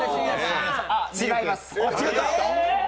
違います。